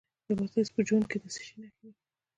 د بادغیس په جوند کې د څه شي نښې دي؟